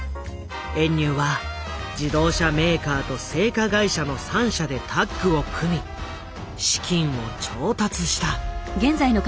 遠入は自動車メーカーと製菓会社の３社でタッグを組み資金を調達した。